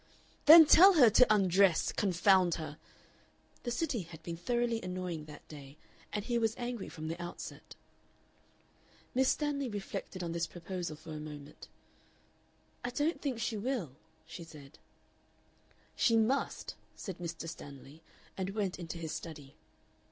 "Then tell her to undress, confound her!" The City had been thoroughly annoying that day, and he was angry from the outset. Miss Stanley reflected on this proposal for a moment. "I don't think she will," she said. "She must," said Mr. Stanley, and went into his study.